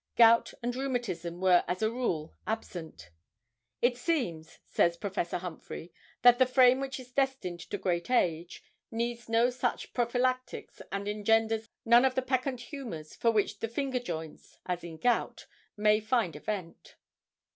Gout and rheumatism were as a rule, absent. 'It seems,' says Prof. Humphry, 'that the frame which is destined to great age needs no such prophylactics, and engenders none of the peccant humors for which the finger joints (as in gout) may find a vent.